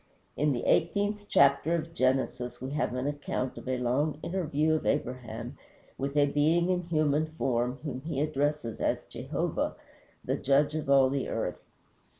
In the eighteenth chapter of Genesis we have an account of a long interview of Abraham with a being in human form, whom he addresses as Jehovah, the Judge of all the earth.